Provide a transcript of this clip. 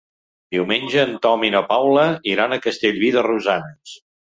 Diumenge en Tom i na Paula iran a Castellví de Rosanes.